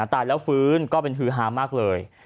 ตายแล้วฟื้นก็เป็นฮือฮามากเลย